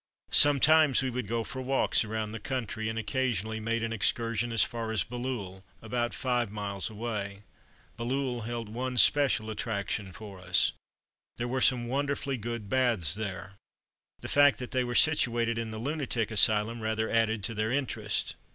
Sometimes we would go for walks around the country, and occasionally made an excursion as far as Bailleul, about five miles away. Bailleul held one special attraction for us. There were some wonderfully good baths there. The fact that they were situated in the lunatic asylum rather added to their interest.